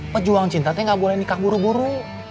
pejuang cinta itu nggak boleh nikah buru buru